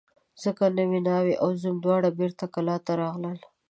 ځکه نو ناوې او زوم دواړه بېرته کلاه ته راغلل.